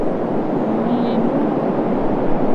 Mli nu.